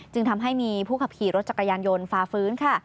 จึงทำให้มีผู้ขับขี่รถจักรยานยนต์ฝ่าฟื้นค่ะ